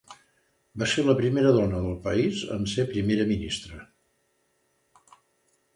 Va ser la primera dona del país en ser primera ministra.